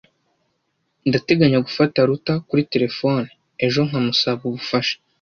Ndateganya gufata Ruta kuri terefone ejo nkamusaba ubufasha.